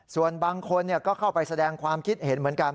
ส่วนบางคนก็เข้าไปแสดงความคิดเห็นเหมือนกัน